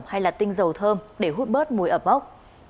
hay tinh dầu thơm để hút bớt mùi ẩm ốc